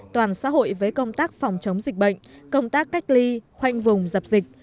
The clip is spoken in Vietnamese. toàn xã hội với công tác phòng chống dịch bệnh công tác cách ly khoanh vùng dập dịch